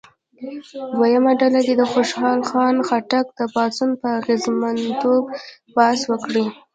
دویمه ډله دې د خوشحال خان خټک د پاڅون په اغېزمنتوب بحث وکړي.